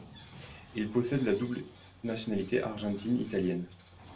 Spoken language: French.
Il possède la double nationalité argentine-italienne.